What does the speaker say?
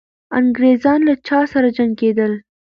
انګریزان له چا سره جنګېدل؟